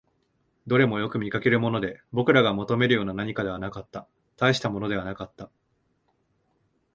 どれもよく見かけるもので、僕らが求めるような何かではなかった、大したものではなかった